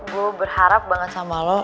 gue berharap banget sama lo